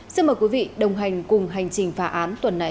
xin mời quý vị đồng hành cùng hành trình phá án tuần này